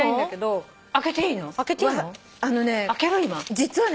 実はね